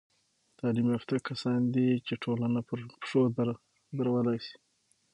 تعلیم یافته کسان دي، چي ټولنه پر پښو درولاى سي.